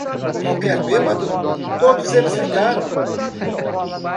Qualquer bêbado! Todos eles ligaram.